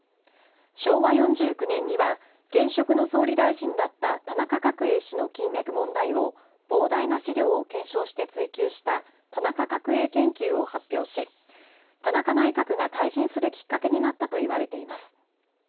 昭和４９年には現職の総理大臣だった田中角栄氏の金脈問題を膨大な資料を検証して追及した田中角栄研究を発表し田中内閣が退陣するきっかけになったと言われています。